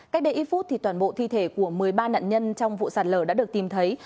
cách đây ít phút toàn bộ thi thể của một mươi ba nạn nhân trong vụ sạt lở đã được tìm thấy